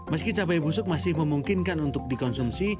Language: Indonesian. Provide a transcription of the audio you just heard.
meski cabai busuk masih memungkinkan untuk dikonsumsi